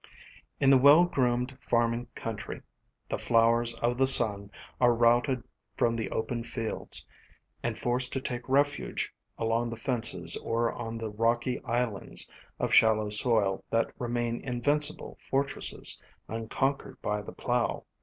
" In the well groomed farming country the flowers of the sun are routed from the open fields, and forced to take refuge along the fences or on the rocky islands of shallow soil that remain invincible fortresses, unconquered by the plow.